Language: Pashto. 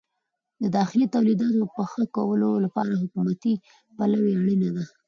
د داخلي تولیداتو د ښه کولو لپاره حکومتي پلوي اړینه ده.